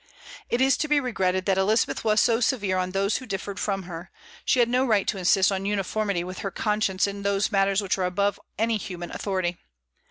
It is to be regretted that Elizabeth was so severe on those who differed from her; she had no right to insist on uniformity with her conscience in those matters which are above any human authority.